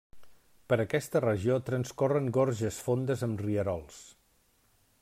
Per aquesta regió transcorren gorges fondes amb rierols.